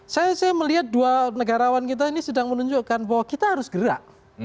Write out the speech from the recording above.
saya melihat dua negarawan kita ini sedang menunjukkan bahwa kita harus gerak